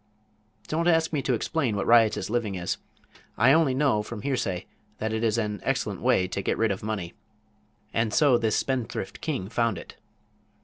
Don't ask me to explain what riotous living is. I only know, from hearsay, that it is an excellent way to get rid of money. And so this spendthrift king found it.